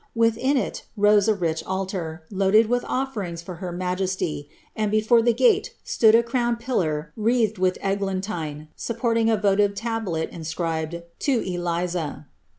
Within it rose a rich altar, loaded with ofierings for her majesty, and before the gate stood a crowned eir wreathed with eglantine, supporting a votive tablet inscribed ^ To SKA."